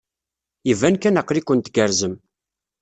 Iban kan aql-iken tgerrzem.